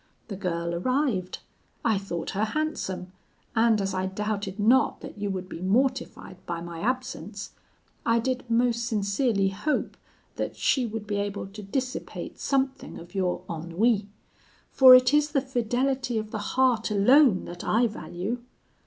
The girl arrived; I thought her handsome; and as I doubted not that you would be mortified by my absence, I did most sincerely hope that she would be able to dissipate something of your ennui: for it is the fidelity of the heart alone that I value.